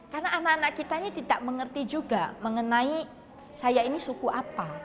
karena anak anak kita ini tidak mengerti juga mengenai saya ini suku apa